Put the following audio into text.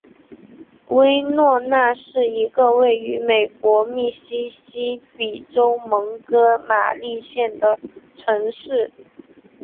威诺纳是一个位于美国密西西比州蒙哥马利县的城市。